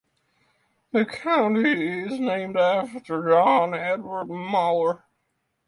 The county is named after John Edward Mower.